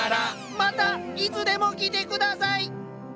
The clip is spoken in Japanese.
またいつでも来てください！